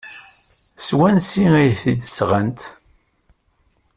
Seg wansi ay t-id-sɣant?